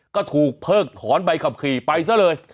ก็ถูกเพิกถอนใบขับขี่ไปซะเลย